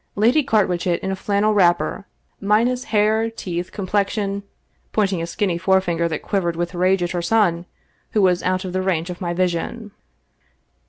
Lady Carwitchet in a flannel wrapper, minus hair, teeth, com plexion, pointing a skinny forefinger that quivered with rage at her son, who was out of the range of my vision.